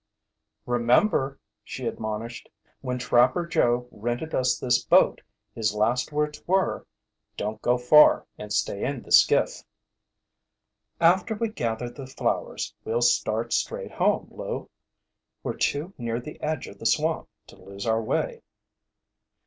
"Remember," she admonished, "when Trapper Joe rented us this boat his last words were: 'Don't go far, and stay in the skiff.'" "After we gather the flowers, we'll start straight home, Lou. We're too near the edge of the swamp to lose our way."